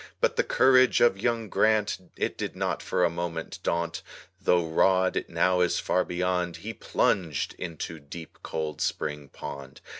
But the courage of young Grant, It did not for a moment daunt, Though rod it now is far beyond, He plunged into deep, cold spring pond.